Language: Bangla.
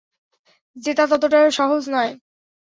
জেতা ততটাও সহজ না।